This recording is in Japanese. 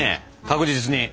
確実に。